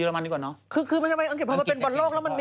เนี่ยก็มีก็จะไม่ได้ยัลลามัน